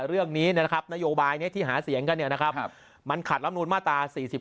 เรื่องนี้นะครับนโยบายที่หาเสียงกันเนี่ยนะครับมันขัดล้ำนูนมาตรา๔๙